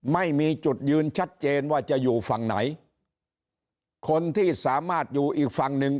ไม่มีจุดยืนชัดเจนว่าจะอยู่ฝั่งไหนคนที่สามารถอยู่อีกฝั่งหนึ่ง